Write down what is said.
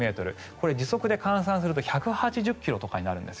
これ時速で換算すると１８０ｋｍとかになるんです。